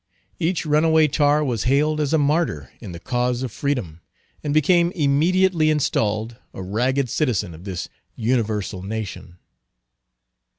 Each runaway tar was hailed as a martyr in the cause of freedom, and became immediately installed a ragged citizen of this universal nation.